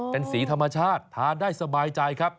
เป็นสีธรรมชาติทานได้สบายใจครับ